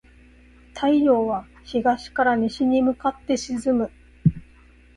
太陽は東から西に向かって沈む。